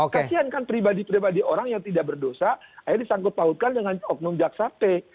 kasian kan pribadi pribadi orang yang tidak berdosa akhirnya disangkut pautkan dengan oknum jaksa p